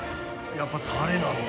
やっぱタレなんだ。